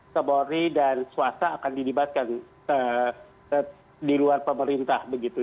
sebori dan swasta akan didibatkan di luar pemerintah begitu